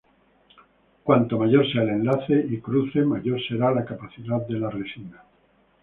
Cuanto mayor sea el enlace y cruce mayor será la capacidad de la resina.